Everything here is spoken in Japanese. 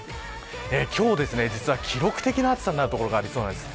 今日は記録的な暑さになる所がありそうです。